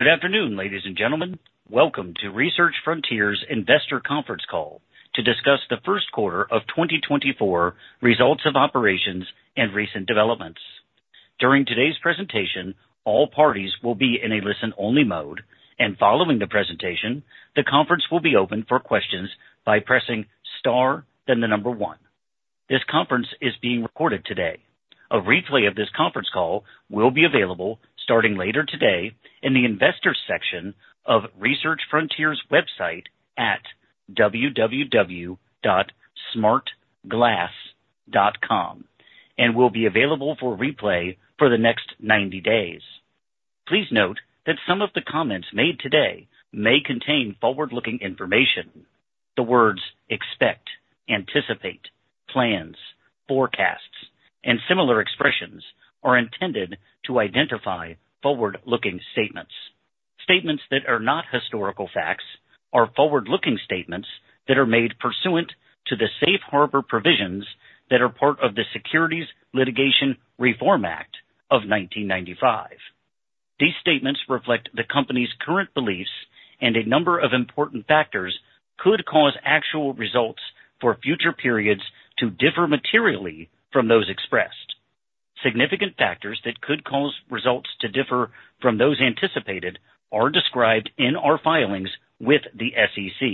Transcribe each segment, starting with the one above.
Good afternoon, ladies and gentlemen. Welcome to Research Frontiers investor conference call to discuss the first quarter of 2024, results of operations, and recent developments. During today's presentation, all parties will be in a listen-only mode, and following the presentation, the conference will be open for questions by pressing * then the number 1. This conference is being recorded today. A replay of this conference call will be available starting later today in the investors' section of Research Frontiers' website at www.smartglass.com, and will be available for replay for the next 90 days. Please note that some of the comments made today may contain forward-looking information. The words expect, anticipate, plans, forecasts, and similar expressions are intended to identify forward-looking statements. Statements that are not historical facts are forward-looking statements that are made pursuant to the Safe Harbor provisions that are part of the Securities Litigation Reform Act of 1995. These statements reflect the company's current beliefs and a number of important factors could cause actual results for future periods to differ materially from those expressed. Significant factors that could cause results to differ from those anticipated are described in our filings with the SEC.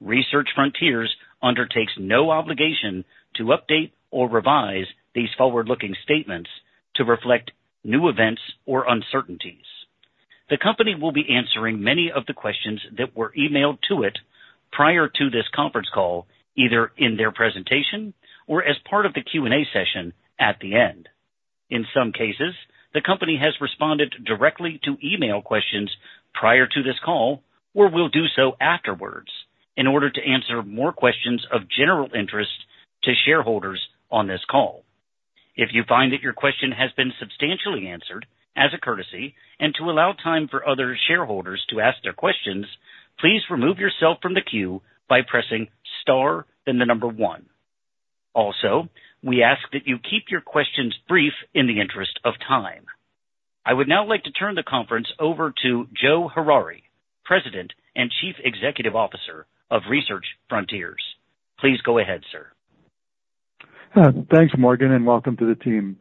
Research Frontiers undertakes no obligation to update or revise these forward-looking statements to reflect new events or uncertainties. The company will be answering many of the questions that were emailed to it prior to this conference call, either in their presentation or as part of the Q&A session at the end. In some cases, the company has responded directly to email questions prior to this call or will do so afterwards in order to answer more questions of general interest to shareholders on this call. If you find that your question has been substantially answered, as a courtesy, and to allow time for other shareholders to ask their questions, please remove yourself from the queue by pressing * then the number 1. Also, we ask that you keep your questions brief in the interest of time. I would now like to turn the conference over to Joe Harary, President and Chief Executive Officer of Research Frontiers. Please go ahead, sir. Thanks, Morgan, and welcome to the team.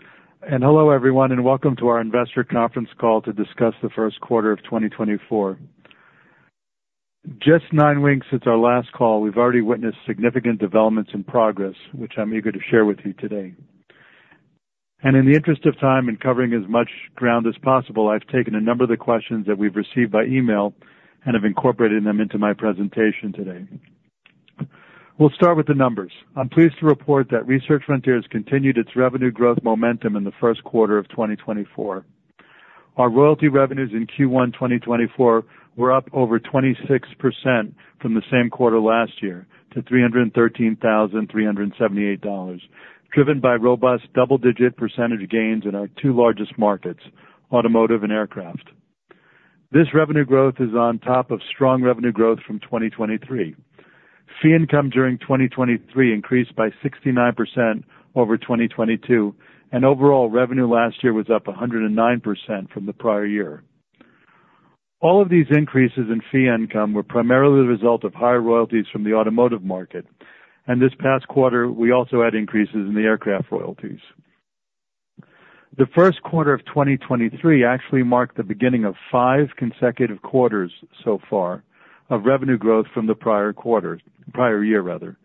Hello, everyone, and welcome to our investor conference call to discuss the first quarter of 2024. Just nine weeks since our last call, we've already witnessed significant developments and progress, which I'm eager to share with you today. In the interest of time and covering as much ground as possible, I've taken a number of the questions that we've received by email and have incorporated them into my presentation today. We'll start with the numbers. I'm pleased to report that Research Frontiers continued its revenue growth momentum in the first quarter of 2024. Our royalty revenues in Q1 2024 were up over 26% from the same quarter last year to $313,378 driven by robust double-digit percentage gains in our two largest markets, automotive and aircraft. This revenue growth is on top of strong revenue growth from 2023. Fee income during 2023 increased by 69% over 2022, and overall revenue last year was up 109% from the prior year. All of these increases in fee income were primarily the result of higher royalties from the automotive market, and this past quarter, we also had increases in the aircraft royalties. The first quarter of 2023 actually marked the beginning of five consecutive quarters so far of revenue growth from the prior year.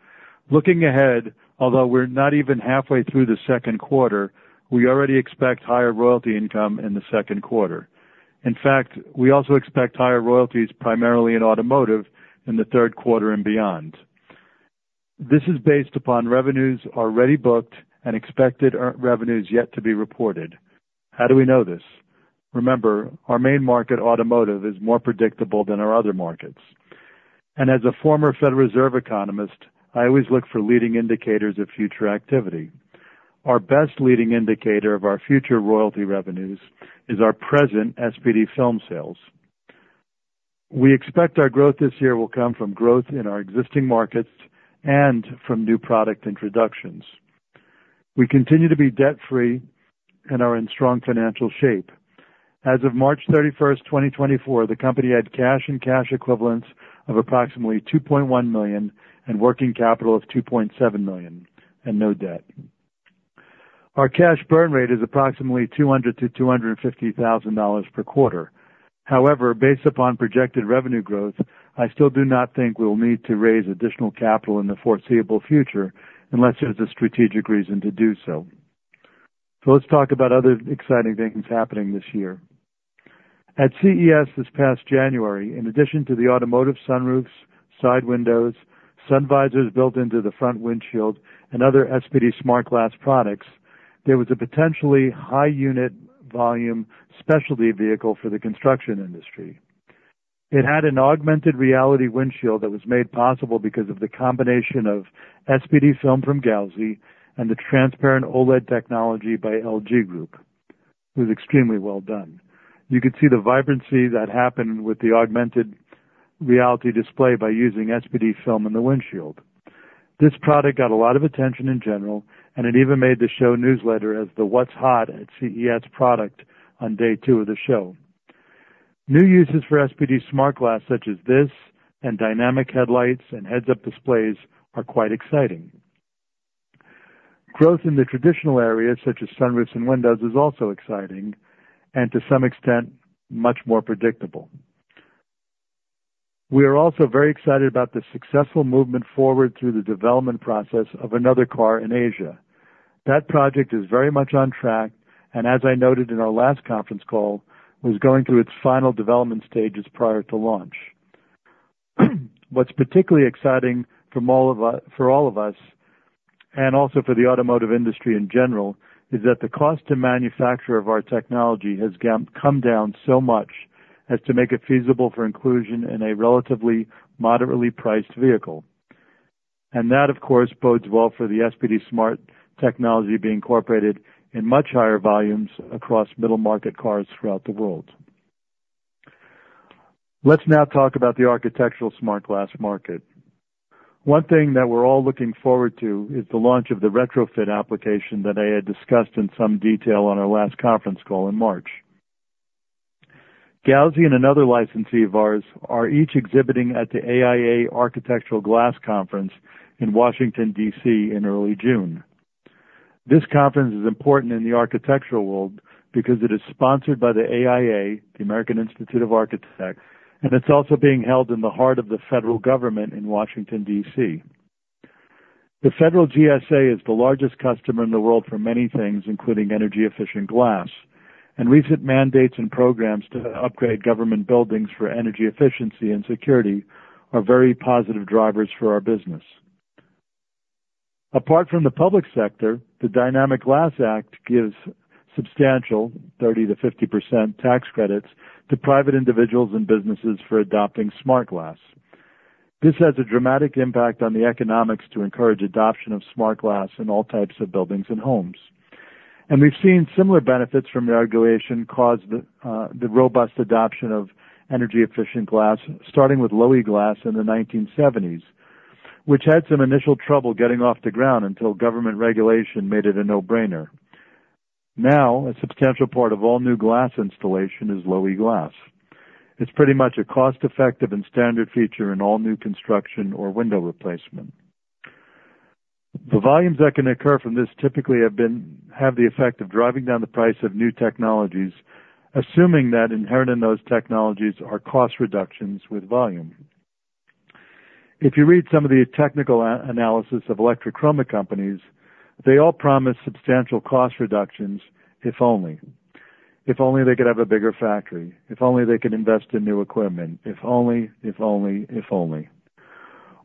Looking ahead, although we're not even halfway through the second quarter, we already expect higher royalty income in the second quarter. In fact, we also expect higher royalties primarily in automotive in the third quarter and beyond. This is based upon revenues already booked and expected revenues yet to be reported. How do we know this? Remember, our main market, automotive, is more predictable than our other markets. As a former Federal Reserve economist, I always look for leading indicators of future activity. Our best leading indicator of our future royalty revenues is our present SPD film sales. We expect our growth this year will come from growth in our existing markets and from new product introductions. We continue to be debt-free and are in strong financial shape. As of March 31, 2024, the company had cash and cash equivalents of approximately $2.1 million and working capital of $2.7 million, and no debt. Our cash burn rate is approximately $200,000-$250,000 per quarter. However, based upon projected revenue growth, I still do not think we'll need to raise additional capital in the foreseeable future unless there's a strategic reason to do so. Let's talk about other exciting things happening this year. At CES this past January, in addition to the automotive sunroofs, side windows, sun visors built into the front windshield, and other SPD Smart Glass products, there was a potentially high-unit volume specialty vehicle for the construction industry. It had an augmented reality windshield that was made possible because of the combination of SPD film from Gauzy and the transparent OLED technology by LG Group, which was extremely well done. You could see the vibrancy that happened with the augmented reality display by using SPD film in the windshield. This product got a lot of attention in general, and it even made the show newsletter as the, What's Hot at CES, product on day two of the show. New uses for SPD Smart Glass, such as this and dynamic headlights and heads-up displays, are quite exciting. Growth in the traditional areas, such as sunroofs and windows, is also exciting and, to some extent, much more predictable. We are also very excited about the successful movement forward through the development process of another car in Asia. That project is very much on track and, as I noted in our last conference call, was going through its final development stages prior to launch. What's particularly exciting for all of us and also for the automotive industry in general is that the cost to manufacture of our technology has come down so much as to make it feasible for inclusion in a relatively moderately priced vehicle. And that, of course, bodes well for the SPD-Smart technology being incorporated in much higher volumes across middle-market cars throughout the world. Let's now talk about the architectural Smart Glass market. One thing that we're all looking forward to is the launch of the Retrofit application that I had discussed in some detail on our last conference call in March. Gauzy and another licensee of ours are each exhibiting at the AIA Architectural Glass Conference in Washington, D.C., in early June. This conference is important in the architectural world because it is sponsored by the AIA, the American Institute of Architects, and it's also being held in the heart of the federal government in Washington, D.C. The federal GSA is the largest customer in the world for many things, including energy-efficient glass, and recent mandates and programs to upgrade government buildings for energy efficiency and security are very positive drivers for our business. Apart from the public sector, the Dynamic Glass Act gives substantial 30%-50% tax credits to private individuals and businesses for adopting Smart Glass. This has a dramatic impact on the economics to encourage adoption of Smart Glass in all types of buildings and homes. We've seen similar benefits from regulation causing the robust adoption of energy-efficient glass, starting with Low-E Glass in the 1970s, which had some initial trouble getting off the ground until government regulation made it a no-brainer. Now, a substantial part of all new glass installation is Low-E Glass. It's pretty much a cost-effective and standard feature in all new construction or window replacement. The volumes that can occur from this typically have the effect of driving down the price of new technologies, assuming that inherent in those technologies are cost reductions with volume. If you read some of the technical analysis of electrochromic companies, they all promise substantial cost reductions, if only. If only they could have a bigger factory. If only they could invest in new equipment. If only, if only, if only.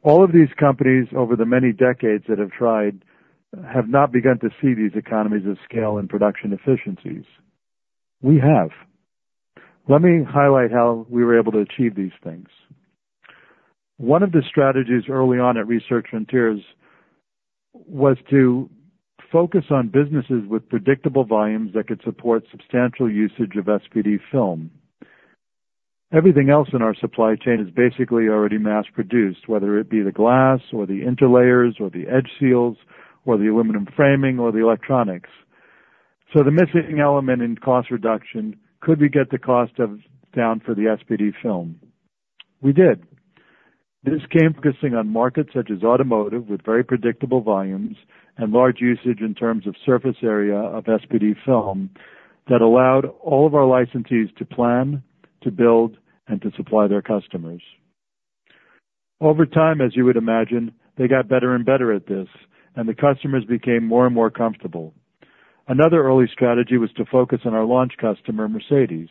All of these companies, over the many decades that have tried, have not begun to see these economies of scale and production efficiencies. We have. Let me highlight how we were able to achieve these things. One of the strategies early on at Research Frontiers was to focus on businesses with predictable volumes that could support substantial usage of SPD film. Everything else in our supply chain is basically already mass-produced, whether it be the glass or the interlayers or the edge seals or the aluminum framing or the electronics. So the missing element in cost reduction: could we get the cost down for the SPD film? We did. This came focusing on markets such as automotive with very predictable volumes and large usage in terms of surface area of SPD film that allowed all of our licensees to plan, to build, and to supply their customers. Over time, as you would imagine, they got better and better at this, and the customers became more and more comfortable. Another early strategy was to focus on our launch customer, Mercedes.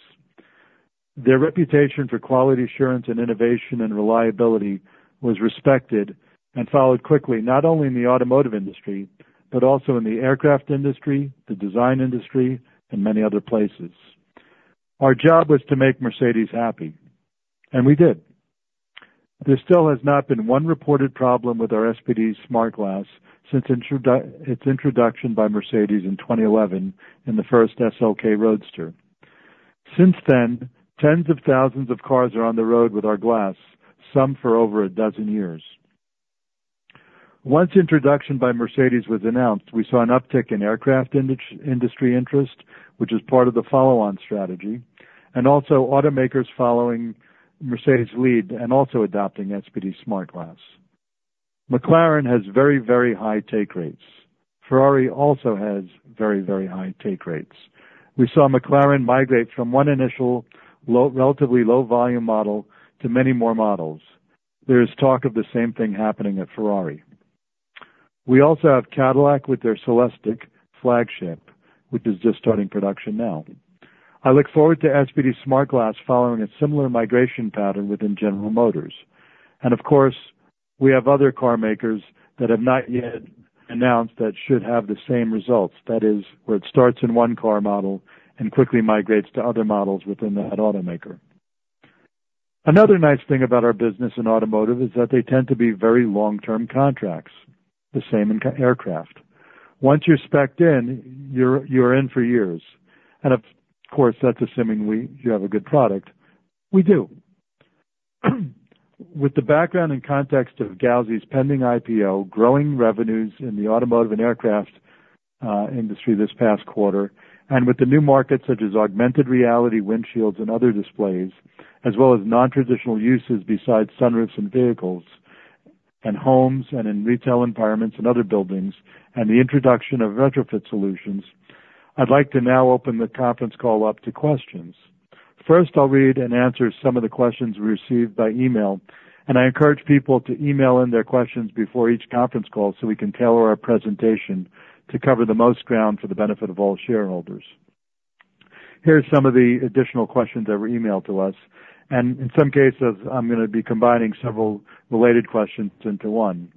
Their reputation for quality assurance and innovation and reliability was respected and followed quickly, not only in the automotive industry but also in the aircraft industry, the design industry, and many other places. Our job was to make Mercedes happy, and we did. There still has not been one reported problem with our SPD Smart Glass since its introduction by Mercedes in 2011 in the first SLK Roadster. Since then, tens of thousands of cars are on the road with our glass, some for over a dozen years. Once introduction by Mercedes was announced, we saw an uptick in aircraft industry interest, which is part of the follow-on strategy, and also automakers following Mercedes' lead and also adopting SPD Smart Glass. McLaren has very, very high take rates. Ferrari also has very, very high take rates. We saw McLaren migrate from one initial relatively low-volume model to many more models. There is talk of the same thing happening at Ferrari. We also have Cadillac with their Celestiq flagship, which is just starting production now. I look forward to SPD Smart Glass following a similar migration pattern within General Motors. And of course, we have other carmakers that have not yet announced that should have the same results, that is, where it starts in one car model and quickly migrates to other models within that automaker. Another nice thing about our business in automotive is that they tend to be very long-term contracts, the same in aircraft. Once you're specced in, you're in for years. And of course, that's assuming you have a good product. We do. With the background and context of Gauzy's pending IPO, growing revenues in the automotive and aircraft industry this past quarter, and with the new markets such as augmented reality, windshields, and other displays, as well as non-traditional uses besides sunroofs and vehicles and homes and in retail environments and other buildings and the introduction of retrofit solutions, I'd like to now open the conference call up to questions. First, I'll read and answer some of the questions we received by email, and I encourage people to email in their questions before each conference call so we can tailor our presentation to cover the most ground for the benefit of all shareholders. Here are some of the additional questions that were emailed to us. In some cases, I'm going to be combining several related questions into one.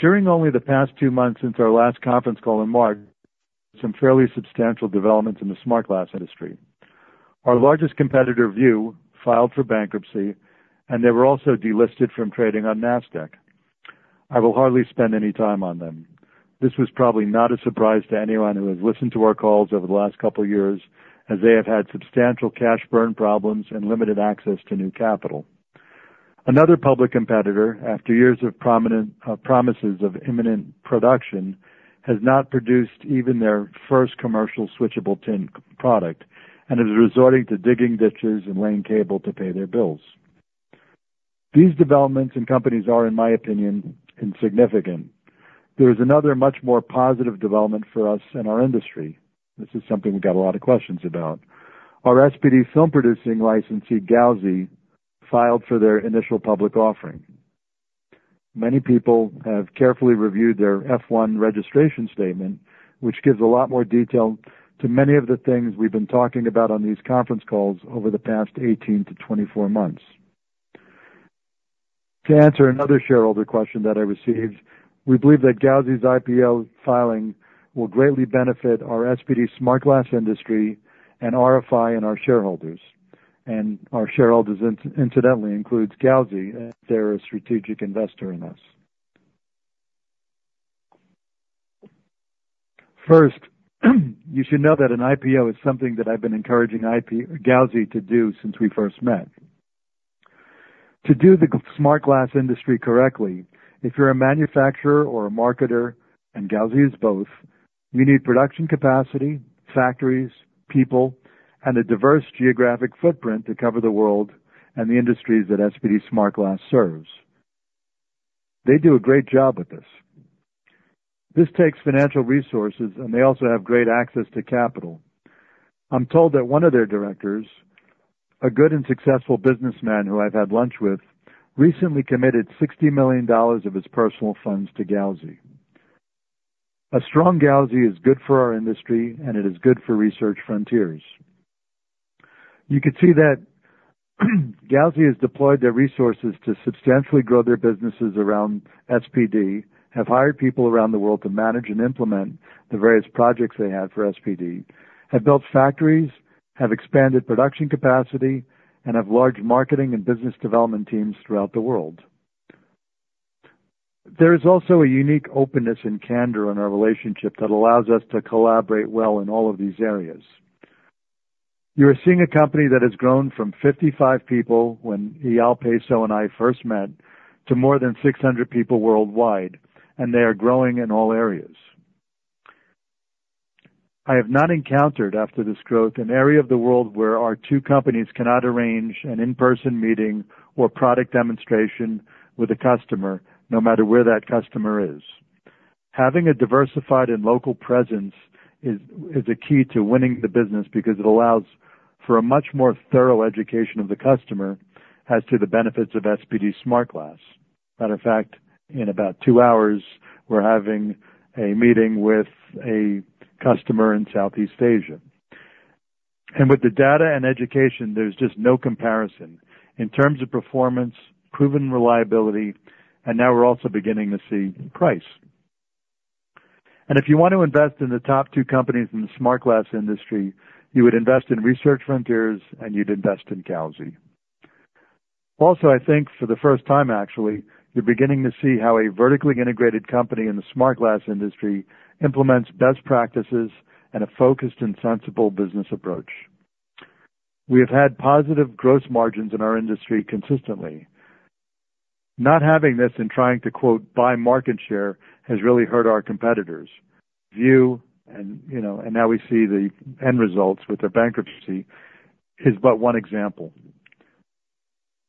During only the past two months since our last conference call in March, there were some fairly substantial developments in the Smart Glass industry. Our largest competitor, View, filed for bankruptcy, and they were also delisted from trading on NASDAQ. I will hardly spend any time on them. This was probably not a surprise to anyone who has listened to our calls over the last couple of years, as they have had substantial cash burn problems and limited access to new capital. Another public competitor, after years of promises of imminent production, has not produced even their first commercial switchable tint product and is resorting to digging ditches and laying cable to pay their bills. These developments in companies are, in my opinion, insignificant. There is another much more positive development for us and our industry this is something we got a lot of questions about our SPD film-producing licensee, Gauzy, filed for their initial public offering. Many people have carefully reviewed their F-1 registration statement, which gives a lot more detail to many of the things we've been talking about on these conference calls over the past 18-24 months. To answer another shareholder question that I received, we believe that Gauzy's IPO filing will greatly benefit our SPD Smart Glass industry and RFI and our shareholders. Our shareholders, incidentally, include Gauzy, as they're a strategic investor in us. First, you should know that an IPO is something that I've been encouraging Gauzy to do since we first met. To do the Smart Glass industry correctly, if you're a manufacturer or a marketer - and Gauzy is both - you need production capacity, factories, people, and a diverse geographic footprint to cover the world and the industries that SPD Smart Glass serves. They do a great job with this. This takes financial resources, and they also have great access to capital. I'm told that one of their directors, a good and successful businessman who I've had lunch with, recently committed $60 million of his personal funds to Gauzy. A strong Gauzy is good for our industry, and it is good for Research Frontiers. You could see that Gauzy has deployed their resources to substantially grow their businesses around SPD, have hired people around the world to manage and implement the various projects they had for SPD, have built factories, have expanded production capacity, and have large marketing and business development teams throughout the world. There is also a unique openness and candor in our relationship that allows us to collaborate well in all of these areas. You are seeing a company that has grown from 55 people when Eyal Peso and I first met to more than 600 people worldwide, and they are growing in all areas. I have not encountered, after this growth, an area of the world where our two companies cannot arrange an in-person meeting or product demonstration with a customer, no matter where that customer is. Having a diversified and local presence is a key to winning the business because it allows for a much more thorough education of the customer as to the benefits of SPD Smart Glass. Matter of fact, in about two hours, we're having a meeting with a customer in Southeast Asia. With the data and education, there's just no comparison. In terms of performance, proven reliability, and now we're also beginning to see price. If you want to invest in the top two companies in the Smart Glass industry, you would invest in Research Frontiers, and you'd invest in Gauzy. Also, I think, for the first time, actually, you're beginning to see how a vertically integrated company in the Smart Glass industry implements best practices and a focused and sensible business approach. We have had positive gross margins in our industry consistently. Not having this and trying to, buy market share, has really hurt our competitors. View, and now we see the end results with their bankruptcy, is but one example.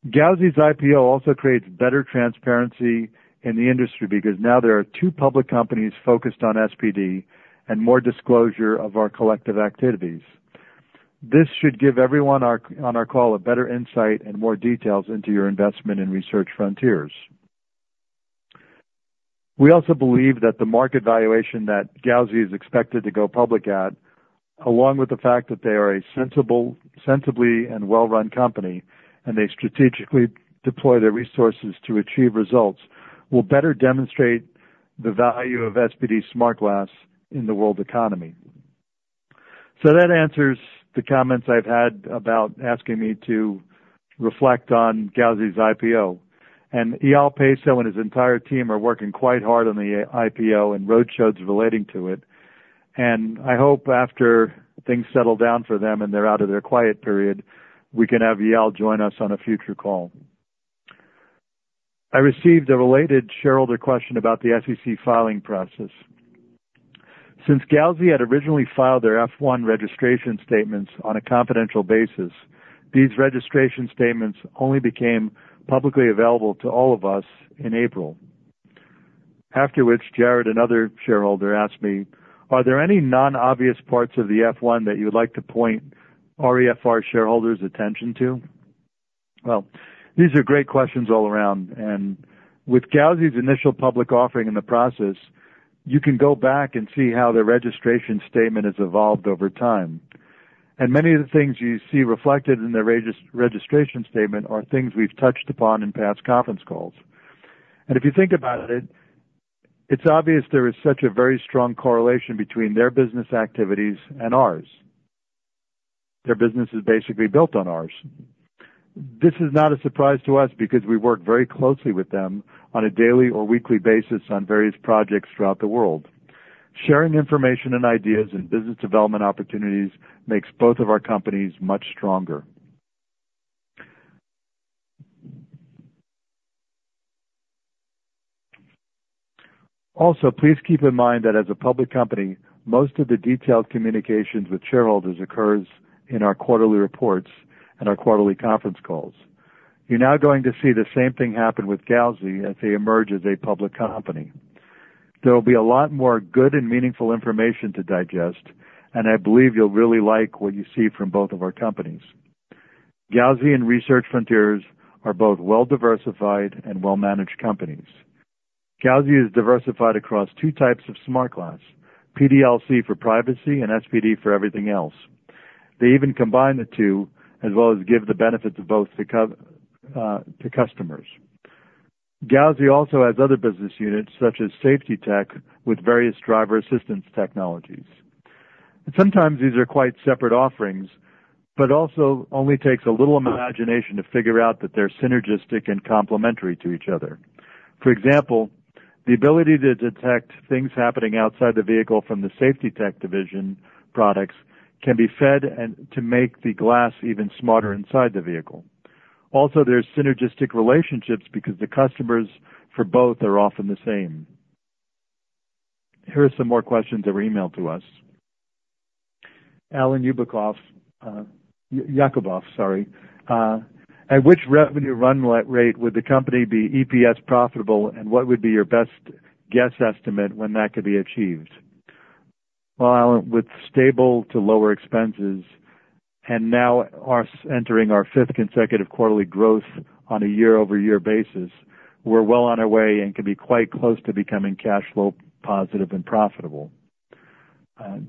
Gauzy's IPO also creates better transparency in the industry because now there are two public companies focused on SPD and more disclosure of our collective activities. This should give everyone on our call a better insight and more details into your investment in Research Frontiers. We also believe that the market valuation that Gauzy is expected to go public at, along with the fact that they are a sensibly and well-run company and they strategically deploy their resources to achieve results, will better demonstrate the value of SPD Smart Glass in the world economy. So that answers the comments I've had about asking me to reflect on Gauzy's IPO. Eyal Peso and his entire team are working quite hard on the IPO and roadshows relating to it. I hope, after things settle down for them and they're out of their quiet period, we can have Eyal join us on a future call. I received a related shareholder question about the SEC filing process. Since Gauzy had originally filed their F1 registration statements on a confidential basis, these registration statements only became publicly available to all of us in April. After which, Gerald, another shareholder, asked me, Are there any non-obvious parts of the F1 that you'd like to point REFR shareholders' attention to?, Well, these are great questions all around. And with Gauzy's initial public offering in the process, you can go back and see how their registration statement has evolved over time. And many of the things you see reflected in their registration statement are things we've touched upon in past conference calls. And if you think about it, it's obvious there is such a very strong correlation between their business activities and ours. Their business is basically built on ours. This is not a surprise to us because we work very closely with them on a daily or weekly basis on various projects throughout the world. Sharing information and ideas and business development opportunities makes both of our companies much stronger. Also, please keep in mind that, as a public company, most of the detailed communications with shareholders occur in our quarterly reports and our quarterly conference calls. You're now going to see the same thing happen with Gauzy as they emerge as a public company. There will be a lot more good and meaningful information to digest, and I believe you'll really like what you see from both of our companies. Gauzy and Research Frontiers are both well-diversified and well-managed companies. Gauzy is diversified across two types of Smart Glass: PDLC for privacy and SPD for everything else. They even combine the two as well as give the benefits of both to customers. Gauzy also has other business units such as SafetyTech with various driver assistance technologies. Sometimes these are quite separate offerings, but it also only takes a little imagination to figure out that they're synergistic and complementary to each other. For example, the ability to detect things happening outside the vehicle from the SafetyTech division products can be fed to make the glass even smarter inside the vehicle. Also, there's synergistic relationships because the customers for both are often the same. Here are some more questions that were emailed to us. Allen Yakuboff, sorry, At which revenue run rate would the company be EPS profitable, and what would be your best guess estimate when that could be achieved?, Well, Allen, with stable to lower expenses and now entering our fifth consecutive quarterly growth on a year-over-year basis, we're well on our way and can be quite close to becoming cash flow positive and profitable.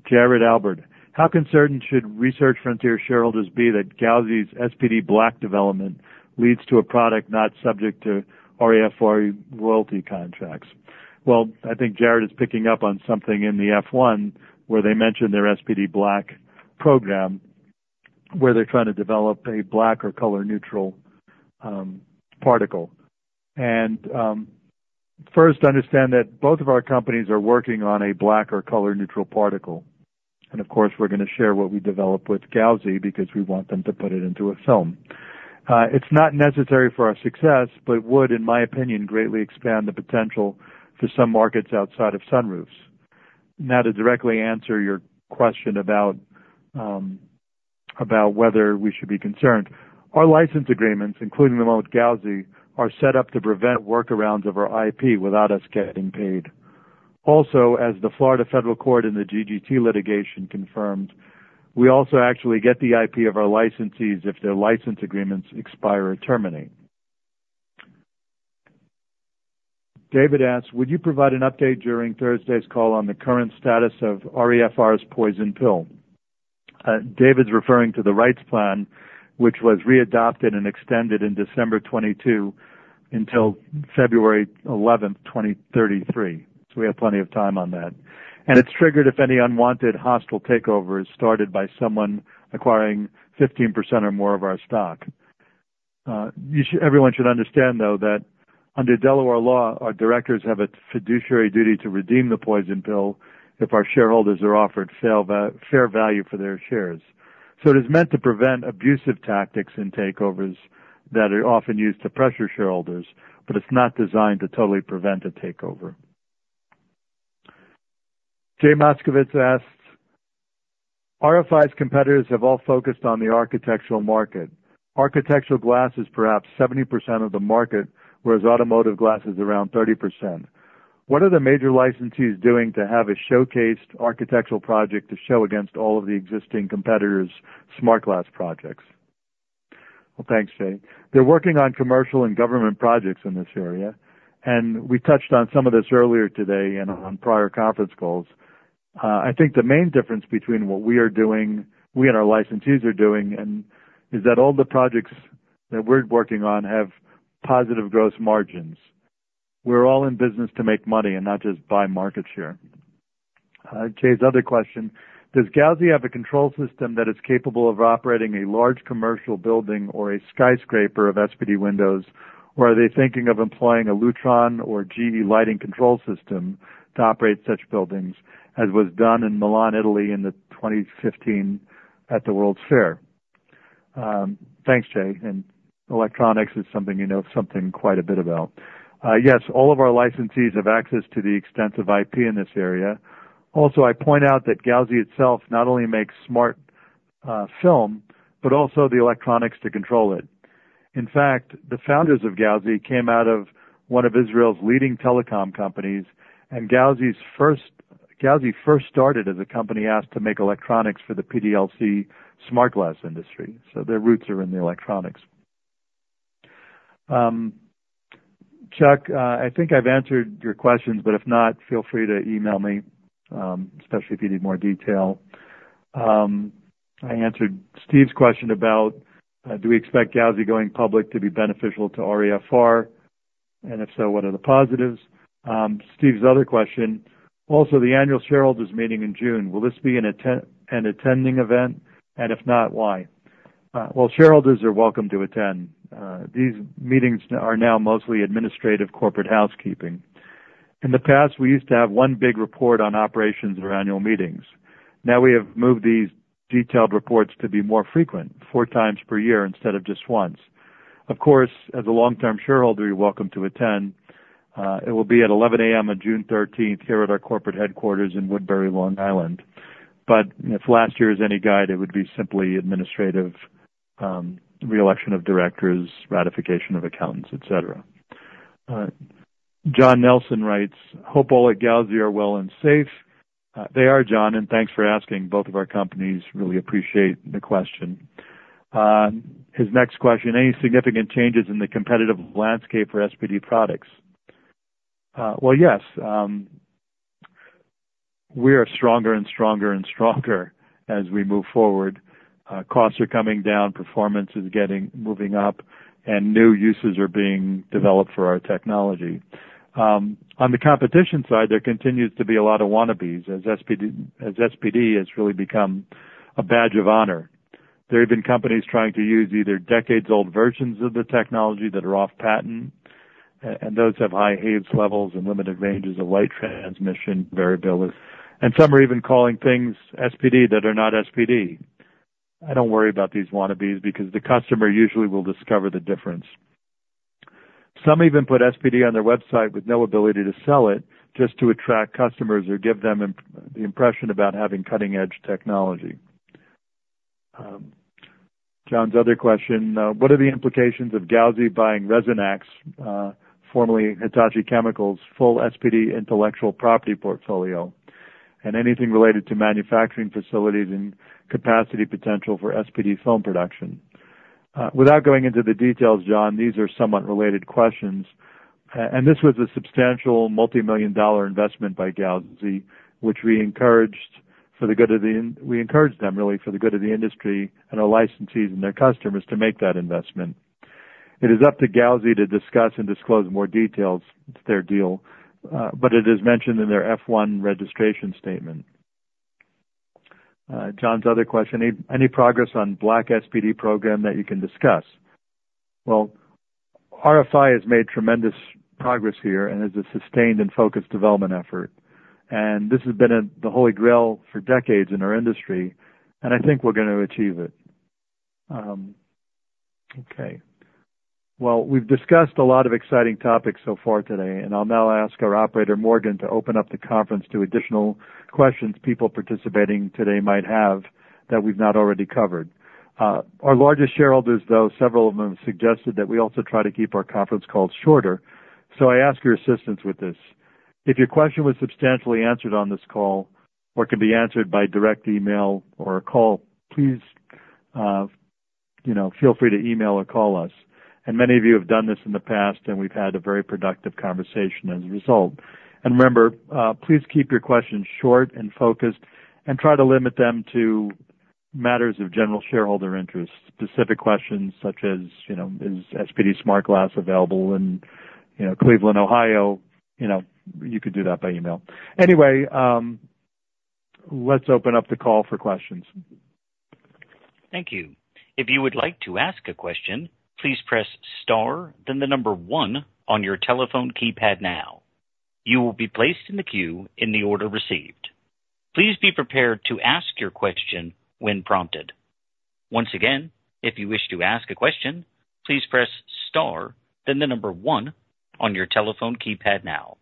Gerald Albert, How concerned should Research Frontiers shareholders be that Gauzy's SPD Black development leads to a product not subject to REFR royalty contracts?, Well, I think Gerald is picking up on something in the F1 where they mentioned their SPD Black program, where they're trying to develop a black or color-neutral particle. First, understand that both of our companies are working on a black or color-neutral particle. Of course, we're going to share what we develop with Gauzy because we want them to put it into a film. It's not necessary for our success, but it would, in my opinion, greatly expand the potential for some markets outside of sunroofs. Now, to directly answer your question about whether we should be concerned, our license agreements, including them with Gauzy, are set up to prevent workarounds of our IP without us getting paid. Also, as the Florida Federal Court in the GGT litigation confirmed, we also actually get the IP of our licensees if their license agreements expire or terminate. David asks, "Would you provide an update during Thursday's call on the current status of REFR's poison pill?" David's referring to the rights plan, which was readopted and extended in December 2022 until February 11th, 2033. So we have plenty of time on that. "And it's triggered, if any, unwanted, hostile takeovers started by someone acquiring 15% or more of our stock." Everyone should understand, though, that under Delaware law, our directors have a fiduciary duty to redeem the poison pill if our shareholders, they're offered, fair value for their shares. So it is meant to prevent abusive tactics in takeovers that are often used to pressure shareholders, but it's not designed to totally prevent a takeover. Jay Moskovitz asks, RFI's competitors have all focused on the architectural market. Architectural glass is perhaps 70% of the market, whereas automotive glass is around 30%. What are the major licensees doing to have a showcased architectural project to show against all of the existing competitor's Smart Glass projects?, Well, thanks, Jay. They're working on commercial and government projects in this area. We touched on some of this earlier today and on prior conference calls. I think the main difference between what we are doing, we and our licensees are doing, is that all the projects that we're working on have positive gross margins. We're all in business to make money and not just buy market share. Jay's other question, Does Gauzy have a control system that is capable of operating a large commercial building or a skyscraper of SPD windows, or are they thinking of employing a Lutron or GE lighting control system to operate such buildings as was done in Milan, Italy, in 2015 at the World's Fair?, Thanks, Jay. And electronics is something you know quite a bit about. Yes, all of our licensees have access to the extensive IP in this area. Also, I point out that Gauzy itself not only makes smart film but also the electronics to control it. In fact, the founders of Gauzy came out of one of Israel's leading telecom companies, and Gauzy first started as a company asked to make electronics for the PDLC Smart Glass industry. So their roots are in the electronics. Chuck, I think I've answered your questions, but if not, feel free to email me, especially if you need more detail. I answered Steve's question about, Do we expect Gauzy going public to be beneficial to REFR? And if so, what are the positives?, Steve's other question, Also, the annual shareholders' meeting in June. Will this be an attending event? And if not, why?, Well, shareholders are welcome to attend. These meetings are now mostly administrative corporate housekeeping. In the past, we used to have one big report on operations at our annual meetings. Now we have moved these detailed reports to be more frequent, four times per year instead of just once. Of course, as a long-term shareholder, you're welcome to attend. It will be at 11:00 A.M. on June 13th here at our corporate headquarters in Woodbury, Long Island. But if last year is any guide, it would be simply administrative reelection of directors, ratification of accountants, etc. John Nelson writes, Hope all at Gauzy are well and safe, They are, John, and thanks for asking. Both of our companies really appreciate the question. His next question, Any significant changes in the competitive landscape for SPD products?, Well, yes. We are stronger and stronger and stronger as we move forward. Costs are coming down, performance is moving up, and new uses are being developed for our technology. On the competition side, there continues to be a lot of wannabes as SPD has really become a badge of honor. There have been companies trying to use either decades-old versions of the technology that are off-patent, and those have high haze levels and limited ranges of light transmission variability. And some are even calling things SPD that are not SPD. I don't worry about these wannabes because the customer usually will discover the difference. Some even put SPD on their website with no ability to sell it just to attract customers or give them the impression about having cutting-edge technology. John's other question, What are the implications of Gauzy buying Resonac, formerly Hitachi Chemicals, full SPD intellectual property portfolio and anything related to manufacturing facilities and capacity potential for SPD film production?, Without going into the details, John, these are somewhat related questions. This was a substantial multimillion-dollar investment by Gauzy, which we encouraged for the good of the industry and our licensees and their customers to make that investment. It is up to Gauzy to discuss and disclose more details to their deal, but it is mentioned in their F1 registration statement. John's other question, Any progress on SPD Black program that you can discuss?, Well, RFI has made tremendous progress here and is a sustained and focused development effort. This has been the holy grail for decades in our industry, and I think we're going to achieve it. Okay. Well, we've discussed a lot of exciting topics so far today, and I'll now ask our operator, Morgan, to open up the conference to additional questions people participating today might have that we've not already covered. Our largest shareholders, though, several of them have suggested that we also try to keep our conference calls shorter. So I ask your assistance with this. If your question was substantially answered on this call or can be answered by direct email or a call, please feel free to email or call us. And many of you have done this in the past, and we've had a very productive conversation as a result. And remember, please keep your questions short and focused and try to limit them to matters of general shareholder interest. Specific questions such as, Is SPD Smart Glass available in Cleveland, Ohio?, You could do that by email. Anyway, let's open up the call for questions. Thank you. If you would like to ask a question, please press * then the number 1 on your telephone keypad now. You will be placed in the queue in the order received. Please be prepared to ask your question when prompted. Once again, if you wish to ask a question, please press * then the number 1 on your telephone keypad now.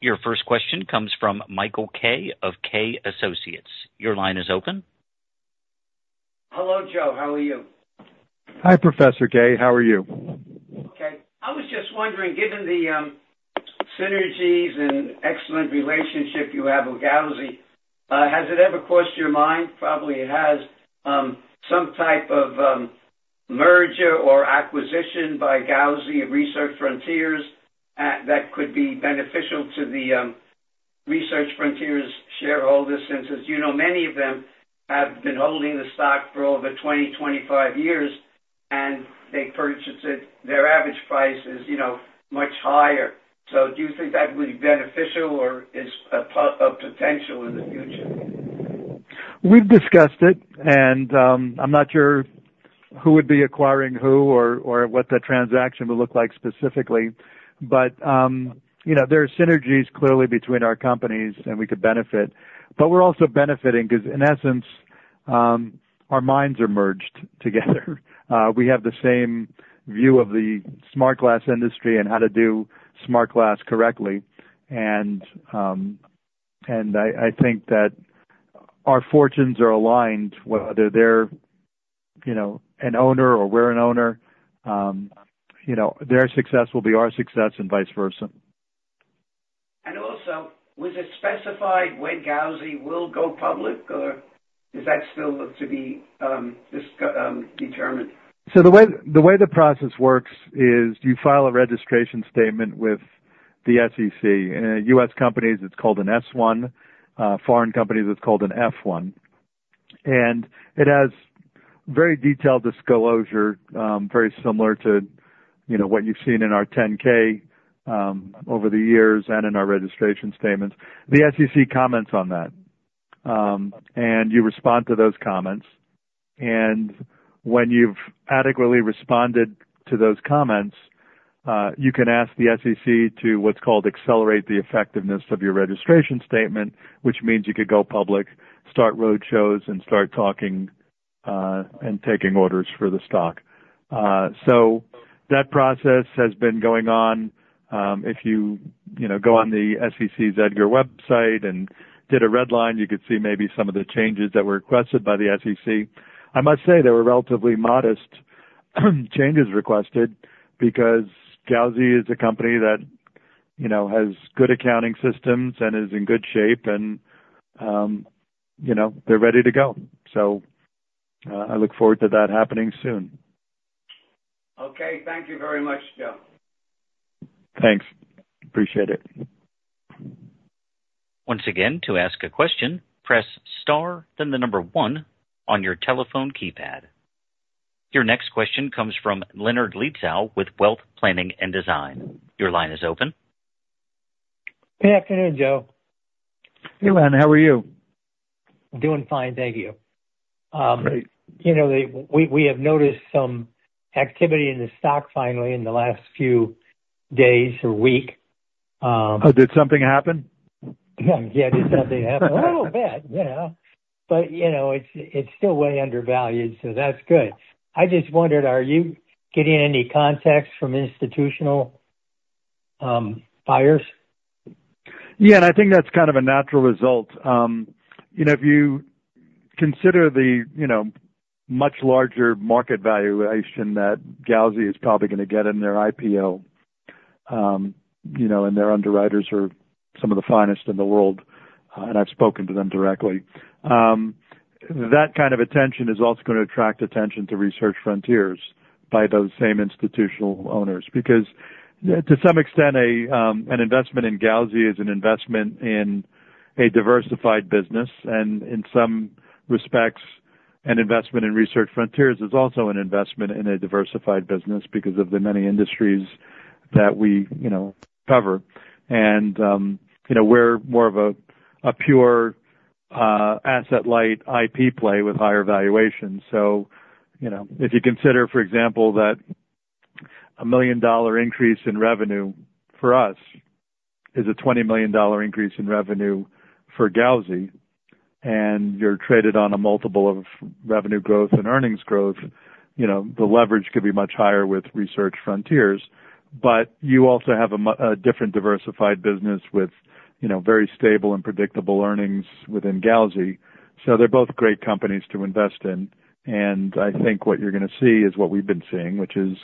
Your first question comes from Michael Kay of Kay Associates. Your line is open. Hello, Joe. How are you? Hi, Professor Kay. How are you? Okay. I was just wondering, given the synergies and excellent relationship you have with Gauzy, has it ever crossed your mind, probably it has, some type of merger or acquisition by Gauzy of Research Frontiers that could be beneficial to the Research Frontiers shareholders since as you know, many of them have been holding the stock for over 20, 25 years, and their average price is much higher. So do you think that would be beneficial or is a potential in the future? We've discussed it, and I'm not sure who would be acquiring who or what the transaction would look like specifically. But there are synergies clearly between our companies, and we could benefit. But we're also benefiting because, in essence, our minds are merged together. We have the same view of the Smart Glass industry and how to do Smart Glass correctly. And I think that our fortunes are aligned, whether they're an owner or we're an owner. Their success will be our success and vice versa. Also, was it specified when Gauzy will go public, or is that still to be determined? So the way the process works is you file a registration statement with the SEC. In U.S. companies, it's called an S-1. Foreign companies, it's called an F-1. And it has very detailed disclosure, very similar to what you've seen in our 10-K over the years and in our registration statements. The SEC comments on that, and you respond to those comments. And when you've adequately responded to those comments, you can ask the SEC to what's called accelerate the effectiveness of your registration statement, which means you could go public, start roadshows, and start talking and taking orders for the stock. So that process has been going on. If you go on the SEC's EDGAR website and did a redline, you could see maybe some of the changes that were requested by the SEC. I must say there were relatively modest changes requested because Gauzy is a company that has good accounting systems and is in good shape, and they're ready to go. So I look forward to that happening soon. Okay. Thank you very much, Joe. Thanks. Appreciate it. Once again, to ask a question, press * then the number 1 on your telephone keypad. Your next question comes from Leonard Leetzow with Wealth Planning and Design. Your line is open. Good afternoon, Joe. Hey, Leon. How are you? I'm doing fine. Thank you. We have noticed some activity in the stock finally in the last few days or week. Oh, did something happen? Yeah. Did something happen? A little bit. Yeah. But it's still way undervalued, so that's good. I just wondered, are you getting any contacts from institutional buyers? Yeah. And I think that's kind of a natural result. If you consider the much larger market valuation that Gauzy is probably going to get in their IPO and their underwriters are some of the finest in the world, and I've spoken to them directly, that kind of attention is also going to attract attention to Research Frontiers by those same institutional owners. Because to some extent, an investment in Gauzy is an investment in a diversified business. And in some respects, an investment in Research Frontiers is also an investment in a diversified business because of the many industries that we cover. And we're more of a pure asset-light IP play with higher valuations. So if you consider, for example, that a $1 million increase in revenue for us is a $20 million increase in revenue for Gauzy, and you're traded on a multiple of revenue growth and earnings growth, the leverage could be much higher with Research Frontiers. But you also have a different diversified business with very stable and predictable earnings within Gauzy. So they're both great companies to invest in. And I think what you're going to see is what we've been seeing, which is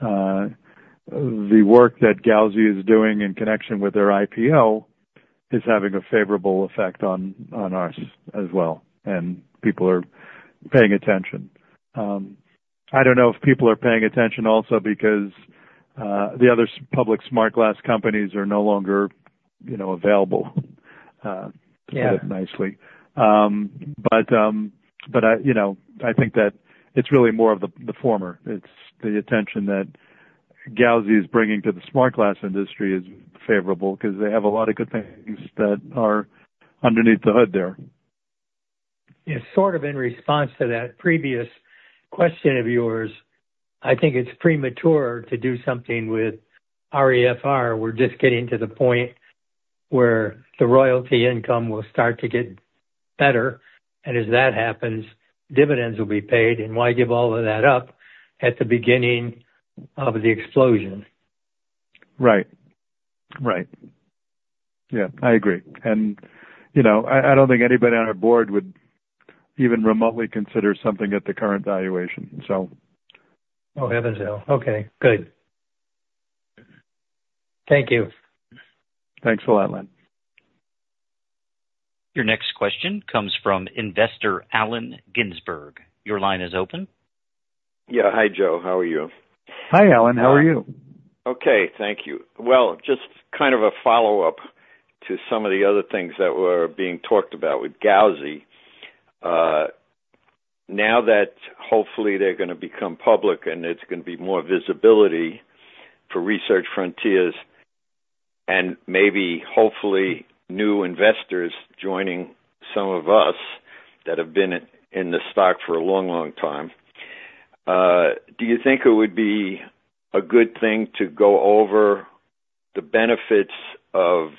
the work that Gauzy is doing in connection with their IPO is having a favorable effect on us as well, and people are paying attention. I don't know if people are paying attention also because the other public Smart Glass companies are no longer available, to put it nicely. But I think that it's really more of the former. It's the attention that Gauzy is bringing to the Smart Glass industry is favorable because they have a lot of good things that are underneath the hood there. Yeah. Sort of in response to that previous question of yours, I think it's premature to do something with REFR. We're just getting to the point where the royalty income will start to get better. And as that happens, dividends will be paid. And why give all of that up at the beginning of the explosion? Right. Right. Yeah. I agree. And I don't think anybody on our board would even remotely consider something at the current valuation, so. Oh, this is all. Okay. Good. Thank you. Thanks a lot, Leon. Your next question comes from investor Allen Ginsburg. Your line is open. Yeah. Hi, Joe. How are you? Hi, Allen. How are you? Okay. Thank you. Well, just kind of a follow-up to some of the other things that were being talked about with Gauzy. Now that, hopefully, they're going to become public and there's going to be more visibility for Research Frontiers and maybe, hopefully, new investors joining some of us that have been in the stock for a long, long time, do you think it would be a good thing to go over the benefits of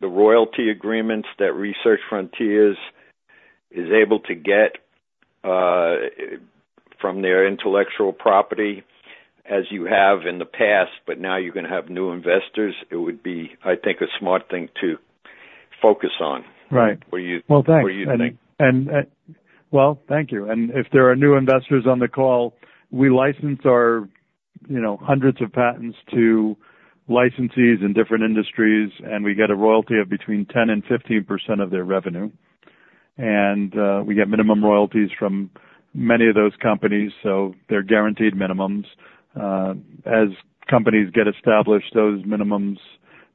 the royalty agreements that Research Frontiers is able to get from their intellectual property as you have in the past, but now you're going to have new investors? It would be, I think, a smart thing to focus on. What do you think? Right. Well, thank you. If there are new investors on the call, we license our hundreds of patents to licensees in different industries, and we get a royalty of between 10%-15% of their revenue. We get minimum royalties from many of those companies, so they're guaranteed minimums. As companies get established, those minimums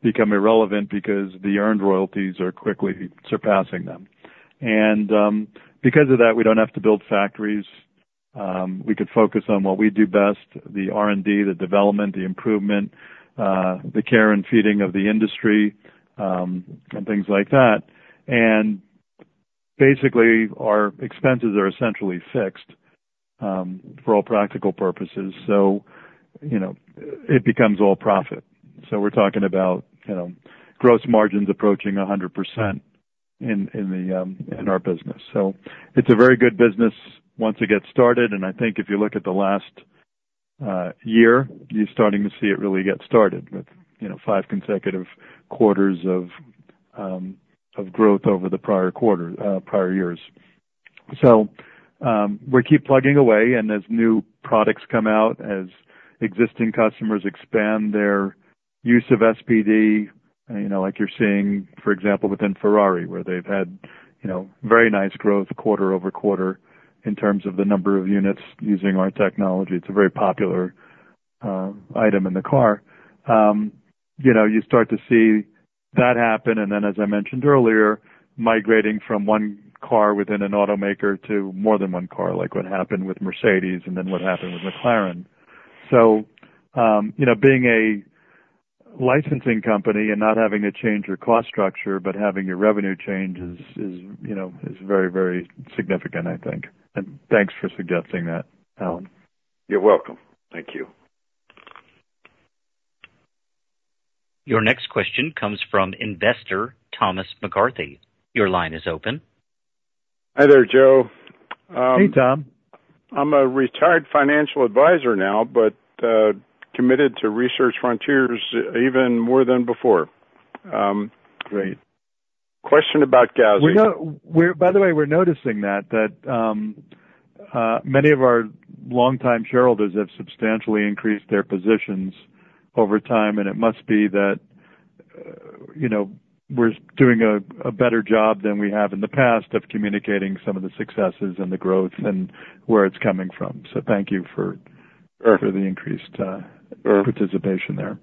become irrelevant because the earned royalties are quickly surpassing them. Because of that, we don't have to build factories. We could focus on what we do best, the R&D, the development, the improvement, the care and feeding of the industry, and things like that. Basically, our expenses are essentially fixed for all practical purposes. It becomes all profit. We're talking about gross margins approaching 100% in our business. It's a very good business once it gets started. I think if you look at the last year, you're starting to see it really get started with five consecutive quarters of growth over the prior years. So we keep plugging away. And as new products come out, as existing customers expand their use of SPD, like you're seeing, for example, within Ferrari, where they've had very nice growth quarter over quarter in terms of the number of units using our technology. It's a very popular item in the car. You start to see that happen. And then, as I mentioned earlier, migrating from one car within an automaker to more than one car, like what happened with Mercedes and then what happened with McLaren. So being a licensing company and not having to change your cost structure but having your revenue change is very, very significant, I think. And thanks for suggesting that, Allen. You're welcome. Thank you. Your next question comes from investor Thomas McCarthy. Your line is open. Hi there, Joe. Hey, Tom. I'm a retired financial advisor now but committed to Research Frontiers even more than before. Question about Gauzy. By the way, we're noticing that many of our longtime shareholders have substantially increased their positions over time. It must be that we're doing a better job than we have in the past of communicating some of the successes and the growth and where it's coming from. Thank you for the increased participation there.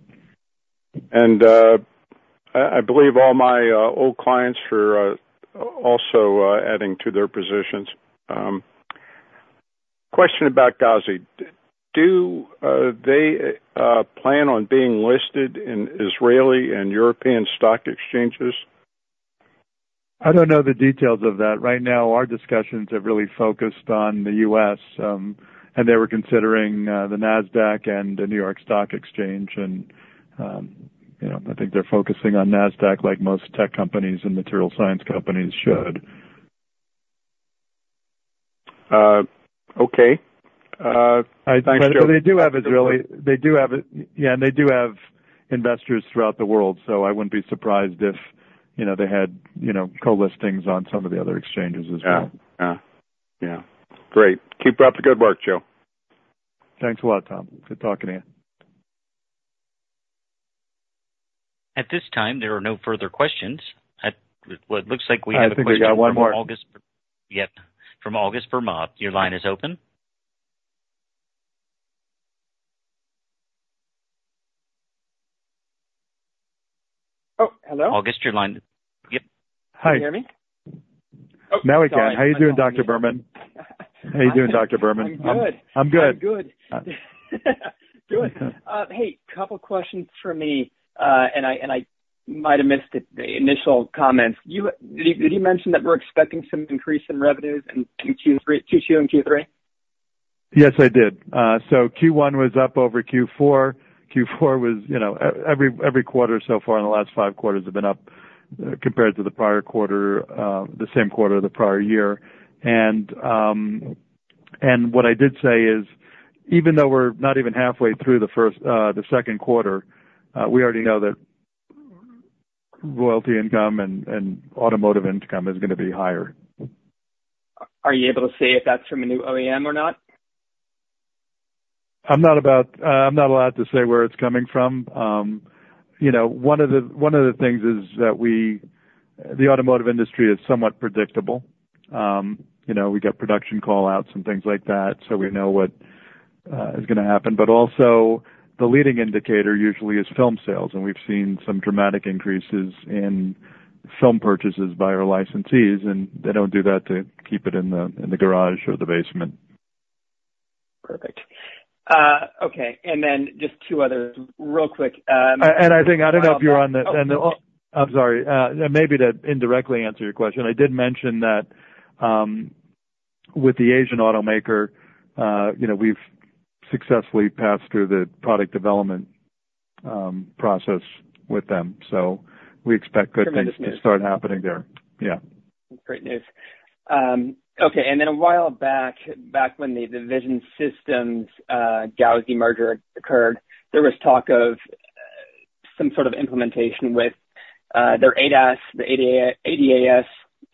I believe all my old clients are also adding to their positions. Question about Gauzy. Do they plan on being listed in Israeli and European stock exchanges? I don't know the details of that. Right now, our discussions have really focused on the U.S. They were considering the NASDAQ and the New York Stock Exchange. I think they're focusing on NASDAQ like most tech companies and material science companies should. Okay. I think so because they do have Israeli. They do have it, yeah. And they do have investors throughout the world. So I wouldn't be surprised if they had co-listings on some of the other exchanges as well. Yeah. Yeah. Yeah. Great. Keep up the good work, Joe. Thanks a lot, Tom. Good talking to you. At this time, there are no further questions. It looks like we have a question from August. I think we got one more. Yep. From August Berman. Your line is open. Oh, hello? August, your line. Yep. Hi. Can you hear me? Now we can. How are you doing, Dr. Berman? How are you doing, Dr. Berman? I'm good. I'm good. I'm good. Good. Hey, couple of questions for me. I might have missed the initial comments. Did you mention that we're expecting some increase in revenues in Q2 and Q3? Yes, I did. So Q1 was up over Q4. Q4 was every quarter so far in the last five quarters have been up compared to the prior quarter, the same quarter of the prior year. And what I did say is even though we're not even halfway through the second quarter, we already know that royalty income and automotive income is going to be higher. Are you able to say if that's from a new OEM or not? I'm not allowed to say where it's coming from. One of the things is that the automotive industry is somewhat predictable. We got production callouts and things like that, so we know what is going to happen. Also, the leading indicator usually is film sales. We've seen some dramatic increases in film purchases by our licensees. They don't do that to keep it in the garage or the basement. Perfect. Okay. And then just two others. Real quick. I don't know if you're on the. I'm sorry. Maybe to indirectly answer your question, I did mention that with the Asian automaker, we've successfully passed through the product development process with them. So we expect good things to start happening there. Yeah. That's great news. Okay. And then a while back, back when the Vision Systems Gauzy merger occurred, there was talk of some sort of implementation with their ADAS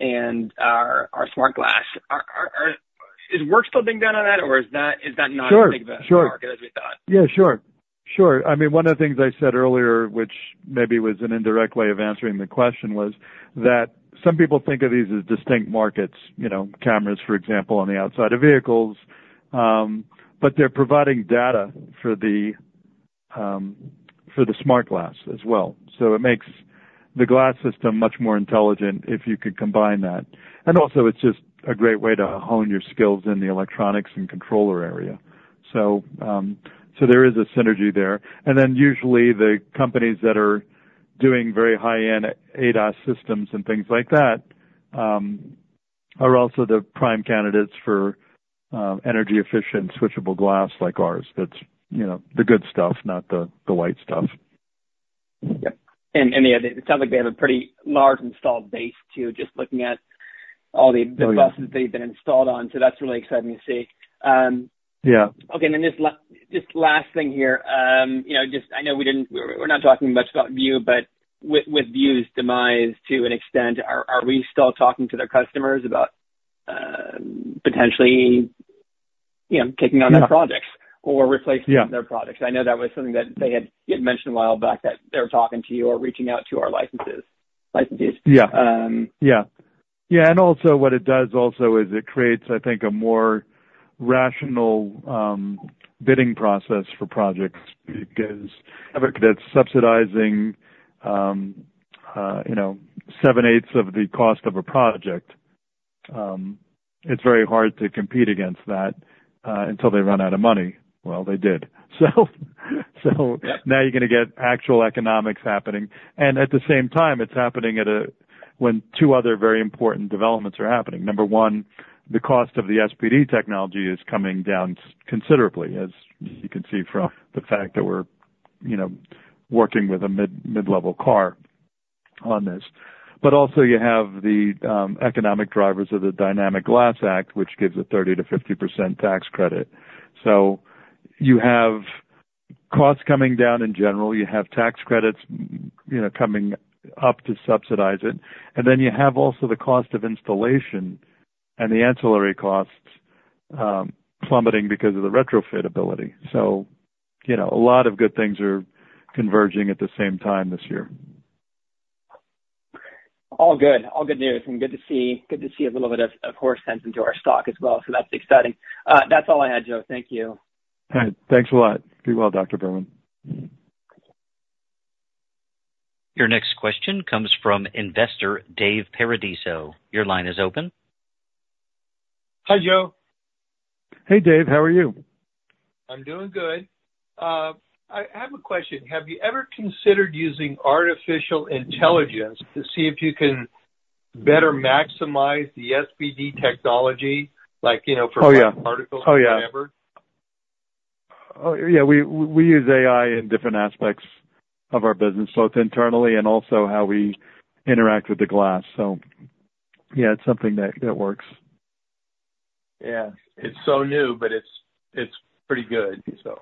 and our Smart Glass. Is work still being done on that, or is that not as big of a market as we thought? Sure. Yeah. Sure. Sure. I mean, one of the things I said earlier, which maybe was an indirect way of answering the question, was that some people think of these as distinct markets, cameras, for example, on the outside of vehicles. But they're providing data for the Smart Glass as well. So it makes the glass system much more intelligent if you could combine that. And also, it's just a great way to hone your skills in the electronics and controller area. So there is a synergy there. And then usually, the companies that are doing very high-end ADAS systems and things like that are also the prime candidates for energy-efficient switchable glass like ours. That's the good stuff, not the white stuff. Yep. And yeah, it sounds like they have a pretty large installed base too, just looking at all the buses they've been installed on. So that's really exciting to see. Okay. And then just last thing here. I know we're not talking much about Vue, but with Vue's demise to an extent, are we still talking to their customers about potentially taking on their projects or replacing their projects? I know that was something that you had mentioned a while back, that they were talking to you or reaching out to our licensees. Yeah. Yeah. Yeah. And also, what it does also is it creates, I think, a more rational bidding process for projects because if it's subsidizing seven-eighths of the cost of a project, it's very hard to compete against that until they run out of money. Well, they did. So now you're going to get actual economics happening. And at the same time, it's happening when two other very important developments are happening. Number one, the cost of the SPD technology is coming down considerably, as you can see from the fact that we're working with a mid-level car on this. But also, you have the economic drivers of the Dynamic Glass Act, which gives a 30%-50% tax credit. So you have costs coming down in general. You have tax credits coming up to subsidize it. And then you have also the cost of installation and the ancillary costs plummeting because of the retrofitability. So a lot of good things are converging at the same time this year. All good. All good news. And good to see a little bit of horse sense into our stock as well. So that's exciting. That's all I had, Joe. Thank you. All right. Thanks a lot. Be well, Dr. Berman. Your next question comes from investor Dave Paradiso. Your line is open. Hi, Joe. Hey, Dave. How are you? I'm doing good. I have a question. Have you ever considered using artificial intelligence to see if you can better maximize the SPD technology for particles or whatever? Oh, yeah. Oh, yeah. We use AI in different aspects of our business, both internally and also how we interact with the glass. So yeah, it's something that works. Yeah. It's so new, but it's pretty good, so.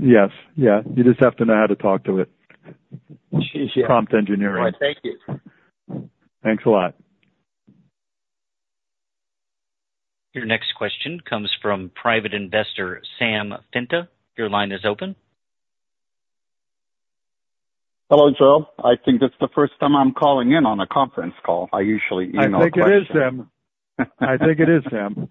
Yes. Yeah. You just have to know how to talk to it. Prompt engineering. All right. Thank you. Thanks a lot. Your next question comes from private investor Sam Finta. Your line is open. Hello, Joe. I think it's the first time I'm calling in on a conference call. I usually email questions. I think it is, Sam. I think it is, Sam.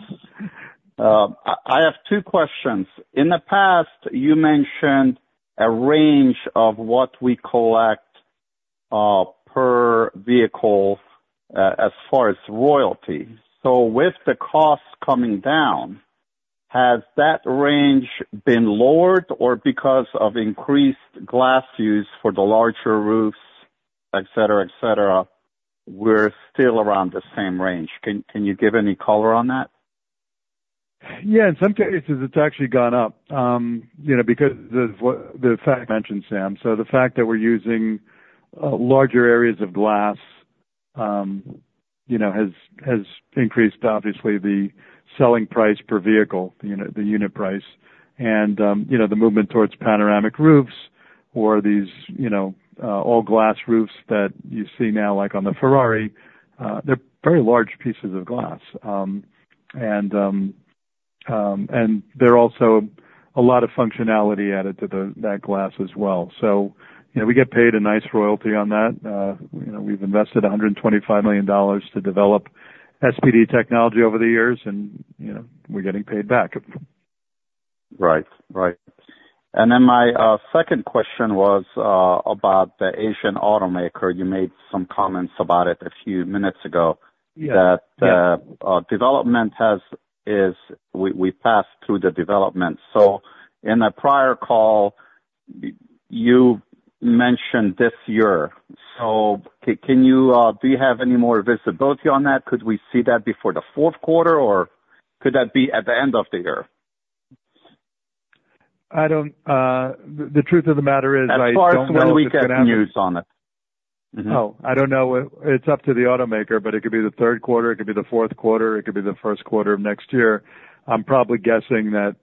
I have two questions. In the past, you mentioned a range of what we collect per vehicle as far as royalty. So with the costs coming down, has that range been lowered, or because of increased glass use for the larger roofs, etc., etc., we're still around the same range? Can you give any color on that? Yeah. In some cases, it's actually gone up because of the fact mentioned, Sam. So the fact that we're using larger areas of glass has increased, obviously, the selling price per vehicle, the unit price. And the movement towards panoramic roofs or these all-glass roofs that you see now on the Ferrari, they're very large pieces of glass. And there's also a lot of functionality added to that glass as well. So we get paid a nice royalty on that. We've invested $125 million to develop SPD technology over the years, and we're getting paid back. Right. Right. And then my second question was about the Asian automaker. You made some comments about it a few minutes ago that we passed through the development. So in a prior call, you mentioned this year. So do you have any more visibility on that? Could we see that before the fourth quarter, or could that be at the end of the year? The truth of the matter is, I don't know. As far as when we get news on it. Oh, I don't know. It's up to the automaker, but it could be the third quarter. It could be the fourth quarter. It could be the first quarter of next year. I'm probably guessing that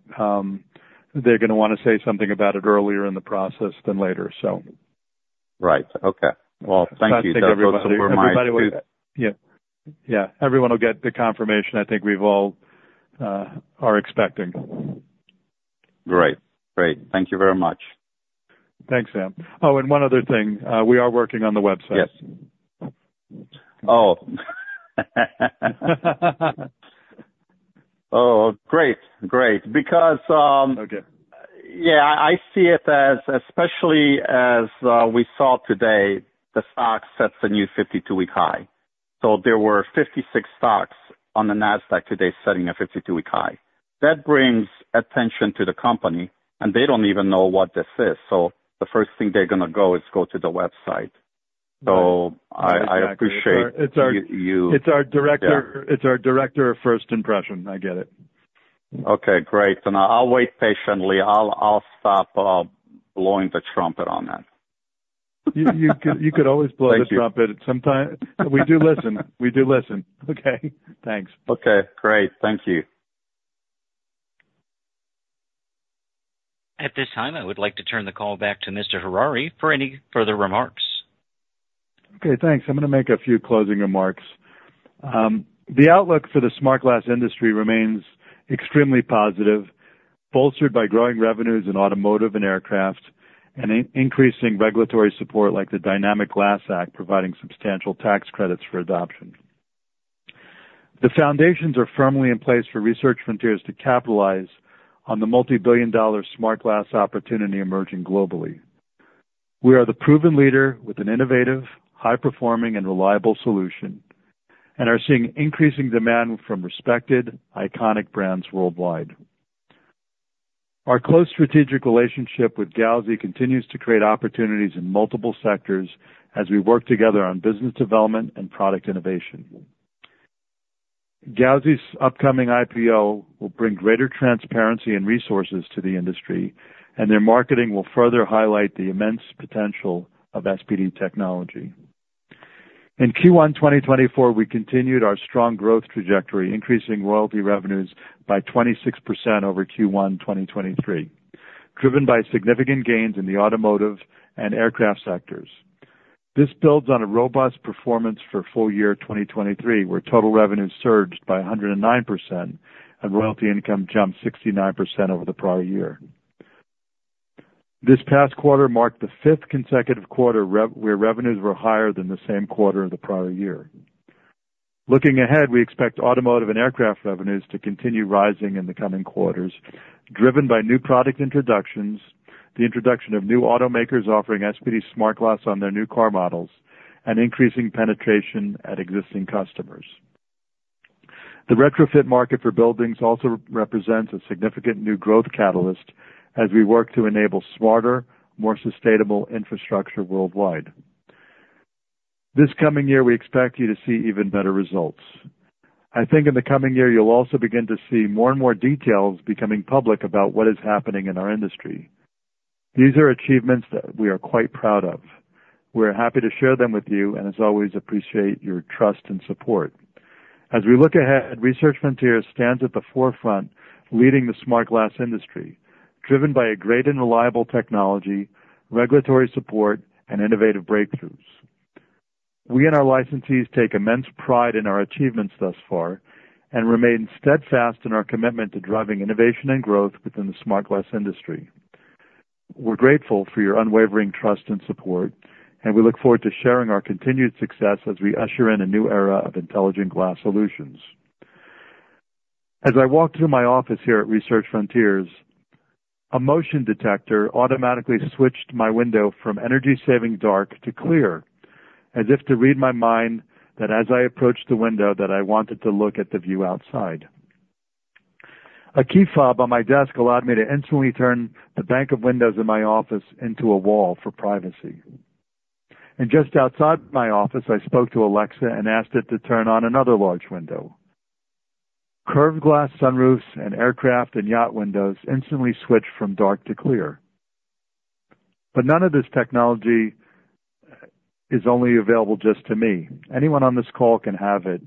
they're going to want to say something about it earlier in the process than later, so. Right. Okay. Well, thank you for taking my question. So, I think everybody will get yeah. Yeah. Everyone will get the confirmation, I think, we all are expecting. Great. Great. Thank you very much. Thanks, Sam. Oh, and one other thing. We are working on the website. Yes. Oh. Oh, great. Great. Because yeah, I see it especially as we saw today, the stock sets a new 52-week high. So there were 56 stocks on the NASDAQ today setting a 52-week high. That brings attention to the company, and they don't even know what this is. So the first thing they're going to go is go to the website. So I appreciate you. It's our director of first impression. I get it. Okay. Great. I'll wait patiently. I'll stop blowing the trumpet on that. You could always blow the trumpet. We do listen. We do listen. Okay. Thanks. Okay. Great. Thank you. At this time, I would like to turn the call back to Mr. Harary for any further remarks. Okay. Thanks. I'm going to make a few closing remarks. The outlook for the Smart Glass industry remains extremely positive, bolstered by growing revenues in automotive and aircraft and increasing regulatory support like the Dynamic Glass Act providing substantial tax credits for adoption. The foundations are firmly in place for Research Frontiers to capitalize on the multi-billion-dollar Smart Glass opportunity emerging globally. We are the proven leader with an innovative, high-performing, and reliable solution and are seeing increasing demand from respected, iconic brands worldwide. Our close strategic relationship with Gauzy continues to create opportunities in multiple sectors as we work together on business development and product innovation. Gauzy's upcoming IPO will bring greater transparency and resources to the industry, and their marketing will further highlight the immense potential of SPD technology. In Q1 2024, we continued our strong growth trajectory, increasing royalty revenues by 26% over Q1 2023, driven by significant gains in the automotive and aircraft sectors. This builds on a robust performance for full year 2023, where total revenues surged by 109% and royalty income jumped 69% over the prior year. This past quarter marked the fifth consecutive quarter where revenues were higher than the same quarter of the prior year. Looking ahead, we expect automotive and aircraft revenues to continue rising in the coming quarters, driven by new product introductions, the introduction of new automakers offering SPD Smart Glass on their new car models, and increasing penetration at existing customers. The retrofit market for buildings also represents a significant new growth catalyst as we work to enable smarter, more sustainable infrastructure worldwide. This coming year, we expect you to see even better results. I think in the coming year, you'll also begin to see more and more details becoming public about what is happening in our industry. These are achievements that we are quite proud of. We're happy to share them with you, and as always, appreciate your trust and support. As we look ahead, Research Frontiers stands at the forefront, leading the Smart Glass industry, driven by a great and reliable technology, regulatory support, and innovative breakthroughs. We and our licensees take immense pride in our achievements thus far and remain steadfast in our commitment to driving innovation and growth within the Smart Glass industry. We're grateful for your unwavering trust and support, and we look forward to sharing our continued success as we usher in a new era of intelligent glass solutions. As I walked through my office here at Research Frontiers, a motion detector automatically switched my window from energy-saving dark to clear, as if to read my mind that as I approached the window, that I wanted to look at the view outside. A key fob on my desk allowed me to instantly turn the bank of windows in my office into a wall for privacy. Just outside my office, I spoke to Alexa and asked it to turn on another large window. Curved glass sunroofs and aircraft and yacht windows instantly switched from dark to clear. None of this technology is only available just to me. Anyone on this call can have it,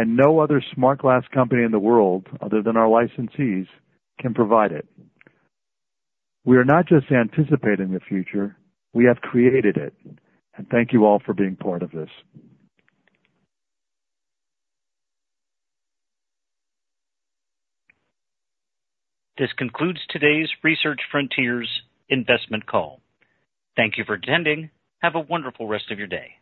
and no other Smart Glass company in the world, other than our licensees, can provide it. We are not just anticipating the future. We have created it. Thank you all for being part of this. This concludes today's Research Frontiers investment call. Thank you for attending. Have a wonderful rest of your day.